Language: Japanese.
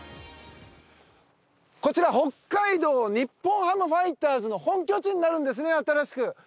こちら北海道日本ハムファイターズの本拠地になるんですね、新しく！